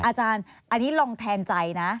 อาจารย์อันนี้ลองแทนใจนะ